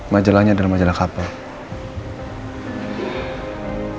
majalahnya adalah majalah kapal